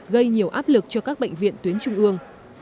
gây nhiều áp lực cho các bệnh viện tuyến trung ương